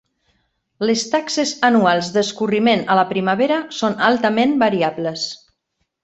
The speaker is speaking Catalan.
Les taxes anuals d'escorriment a la primavera són altament variables.